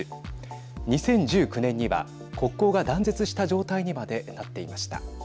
２０１９年には国交が断絶した状態にまでなっていました。